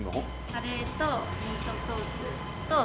カレーとミートソースとスープ。